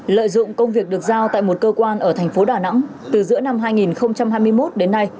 lợi dụng công việc được giao tại một cơ quan ở thành phố đà nẵng từ giữa năm hai nghìn hai mươi một đến nay